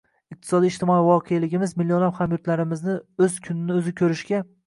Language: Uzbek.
Iqtisodiy-ijtimoiy voqeligimiz millionlab hamyurtlarimizni «o‘z kunini o‘zi ko‘rish»ga